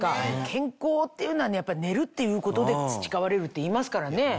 健康っていうのはやっぱり寝るっていうことで培われるっていいますからね。